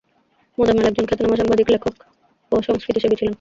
মোজাম্মেল একজন খ্যাতনামা সাংবাদিক, লেখক ও সংস্কৃতিসেবী ছিলেন।